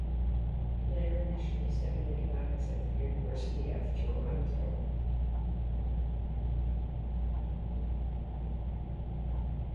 Blair initially studied economics at the University of Toronto.